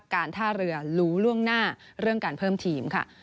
การท่าเรือรู้ล่วงหน้าเรื่องการเพิ่มทีมค่ะ